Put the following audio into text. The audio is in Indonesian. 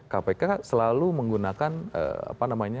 kpk selalu menggunakan